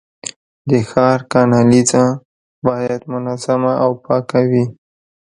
د ښار کانالیزه باید منظمه او پاکه وي.